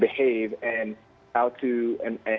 berpengalaman dengan orang asia